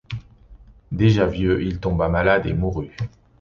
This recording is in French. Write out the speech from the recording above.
Déjà vieux, il tomba malade et mourut.